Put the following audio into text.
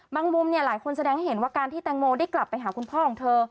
มุมหลายคนแสดงให้เห็นว่าการที่แตงโมได้กลับไปหาคุณพ่อของเธอ